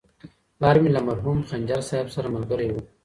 پلار مي له مرحوم خنجر صاحب سره ملګری و.